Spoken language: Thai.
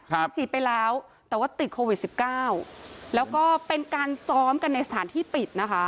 ฉีดไปแล้วแต่ว่าติดโควิดสิบเก้าแล้วก็เป็นการซ้อมกันในสถานที่ปิดนะคะ